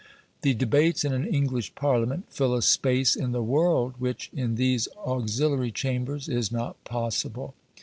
The debates in an English Parliament fill a space in the world which, in these auxiliary chambers, is not possible.